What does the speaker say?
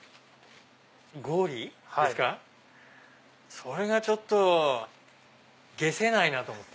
それがちょっと解せないなと思って。